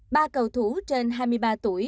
ba cầu thú trên hai mươi ba tuổi